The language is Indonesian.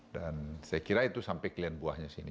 dan saya kira itu sampai klien buahnya sini